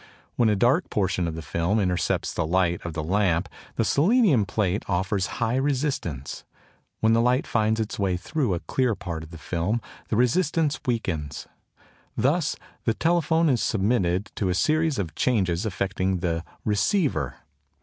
When a dark portion of the film intercepts the light of the lamp the selenium plate offers high resistance; when the light finds its way through a clear part of the film the resistance weakens. Thus the telephone is submitted to a series of changes affecting the "receiver."